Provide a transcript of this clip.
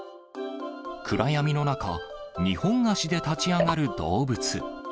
暗闇の中、二本足で立ち上がる動物。